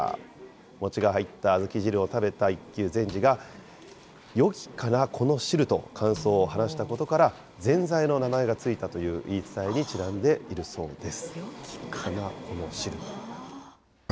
餅が入った小豆汁を食べた一休禅師が善哉此汁と感想を話したことから、善哉の名前が付いたという言い伝えにちなんでいるそうです。